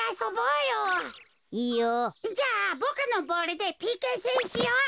じゃあボクのボールでＰＫせんしよう。